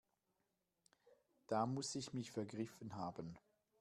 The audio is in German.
Da muss ich mich vergriffen haben.